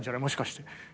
もしかして。